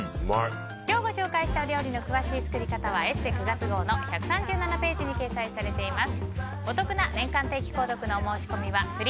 今日ご紹介した料理の詳しい作り方は「ＥＳＳＥ」９月号の１３７ページに掲載されています。